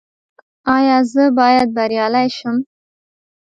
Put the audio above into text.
ایا زه باید بریالی شم؟